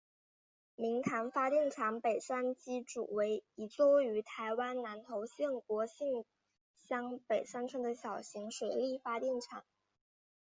明潭发电厂北山机组为一座位于台湾南投县国姓乡北山村的小型水力发电厂。